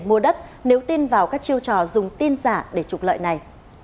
mua đất nếu tin vào các chiêu trò dùng tin giả để trục lợi này